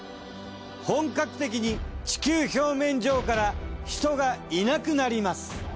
本格的に地球表面上から人がいなくなります。